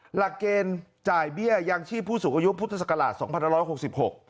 ประก็นจ่ายเบี้ยยั่งชีพผู้สูงอายุพุทธศักราช๒๑๖๖